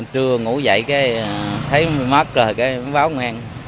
trưa ngủ dậy thấy mất rồi mới báo công an